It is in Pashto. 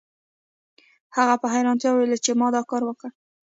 هغه په حیرانتیا وویل چې ما دا کار وکړ